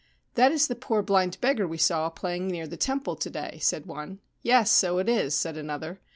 < That is the poor blind beggar we saw playing near the temple to day/ said one. ' Yes : so it is,' said another.